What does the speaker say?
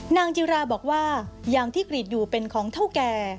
นางจิราบอกว่ายางที่กรีดอยู่เป็นของเท่าแก่